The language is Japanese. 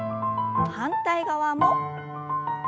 反対側も。